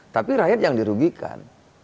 tapi rakyat yang dirugikan